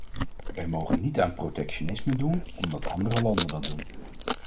Wij mogen niet aan protectionisme doen omdat andere landen dat doen.